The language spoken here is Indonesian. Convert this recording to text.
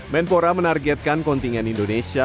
menpora menargetkan kontingen indonesia